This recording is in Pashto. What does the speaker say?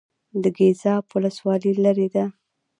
د ګیزاب ولسوالۍ لیرې ده